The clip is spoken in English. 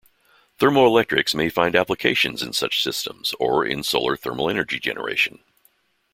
Thermoelectrics may find applications in such systems or in solar thermal energy generation.